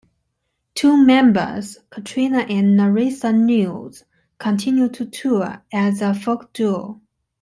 Two members, Katryna and Nerissa Nields, continue to tour as a folk duo.